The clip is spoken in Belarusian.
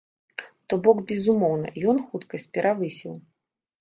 То бок, безумоўна, ён хуткасць перавысіў.